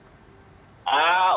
untuk saat ini